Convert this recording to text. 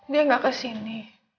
dia gak kesini